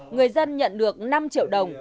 người dân nhận được năm triệu đồng